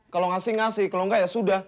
kalau ngasih ngasih kalau enggak ya sudah